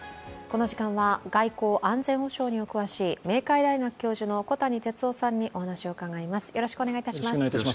この時間は外交、安全保障にお詳しい明海大学教授の小谷哲男さんにお話を伺います。